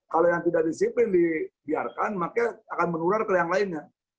kalau yang tidak disiplin dibiarkan maka akan menular ke yang lainnya